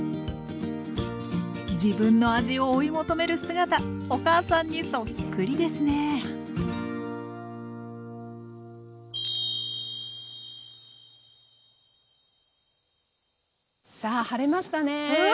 自分の味を追い求める姿お母さんにそっくりですねさあ晴れましたね。